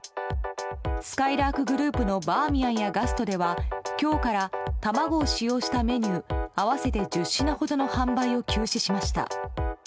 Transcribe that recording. すかいらーくグループのバーミヤンやガストでは今日から、卵を使用したメニュー合わせて１０品ほどの販売を休止しました。